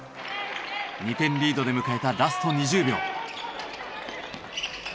２点リードで迎えたラスト２０秒。